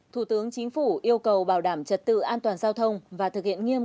thủ tướng chính phủ yêu cầu bảo đảm trật tự an toàn giao thông và thực hiện nghiêm